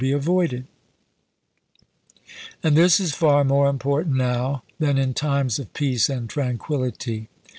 be avoided; and this is far more important now than in times of peace and tranquillity.